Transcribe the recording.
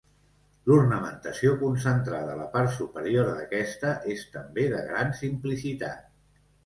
L'ornamentació, concentrada a la part superior d'aquesta, és també de gran simplicitat.